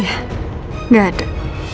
ya gak ada